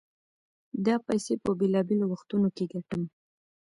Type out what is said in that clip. دا پيسې په بېلابېلو وختونو کې ګټم.